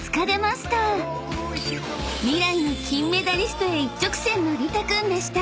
［未来の金メダリストへ一直線のリタ君でした］